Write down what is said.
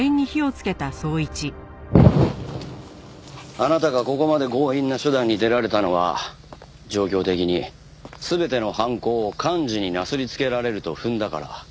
あなたがここまで強引な手段に出られたのは状況的に全ての犯行を寛二になすりつけられると踏んだから。